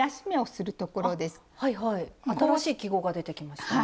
新しい記号が出てきました。